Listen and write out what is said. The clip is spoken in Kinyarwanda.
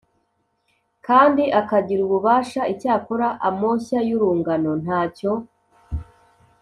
kandi akagira ububasha Icyakora amoshya y urungano nta cyo